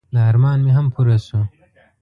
د ارمان مې هم پوره شو.